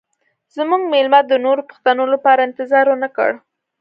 زموږ میلمه د نورو پوښتنو لپاره انتظار ونه کړ